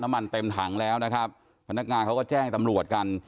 เต็มถังแล้วนะครับพนักงานเขาก็แจ้งตำรวจกัน